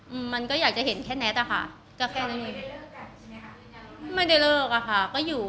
อืมมันก็อยากจะเห็นแค่นัทอ่ะค่ะก็แค่นี้ไม่ได้เลิกอ่ะค่ะก็อยู่